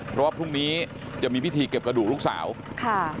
เพราะว่าพรุ่งนี้จะมีพิธีเก็บกระดูกลูกสาวค่ะ